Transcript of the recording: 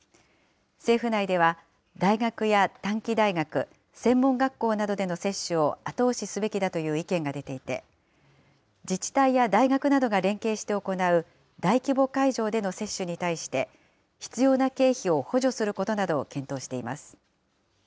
政府内では、大学や短期大学、専門学校などでの接種を後押しすべきだという意見が出ていて、自治体や大学などが連携して行う大規模会場での接種に対して、必要な経費を補助することなどを検討しています。